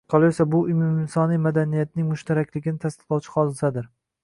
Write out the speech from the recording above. Qolaversa, bu umuminsoniy madaniyatning mushtarakligini tasdiqlovchi hodisadir.